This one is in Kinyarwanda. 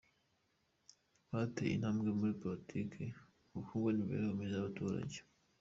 Rwateye intambwe muri politiki, ubukungu n’imibereho myiza y’abaturage.